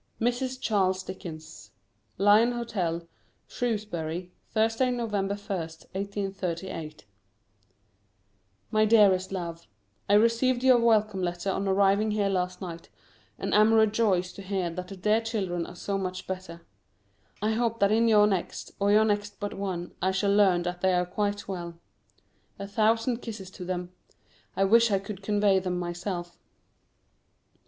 [Sidenote: Mrs. Charles Dickens.] LION HOTEL, SHREWSBURY, Thursday, Nov. 1st, 1838. MY DEAREST LOVE, I received your welcome letter on arriving here last night, and am rejoiced to hear that the dear children are so much better. I hope that in your next, or your next but one, I shall learn that they are quite well. A thousand kisses to them. I wish I could convey them myself.